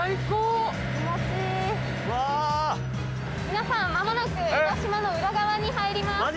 皆さんまもなく江の島の裏側に入ります。